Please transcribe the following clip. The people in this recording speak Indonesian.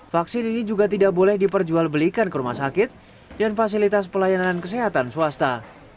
vaksin ini juga tidak boleh diperjualbelikan ke rumah sakit dan fasilitas pelayanan kesehatan swasta